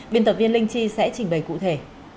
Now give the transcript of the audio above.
biên tập viên linh chi sẽ trình bày cụ thể